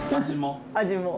味も。